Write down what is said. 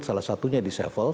salah satunya di seville